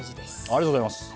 ありがとうございます。